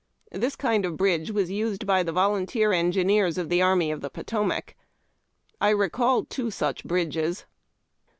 This kind of bridge was used by tlie volunteer engineers of the Army of the Potomac. I recall two such bridges.